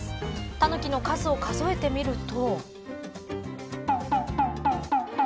タヌキの数を数えてみると。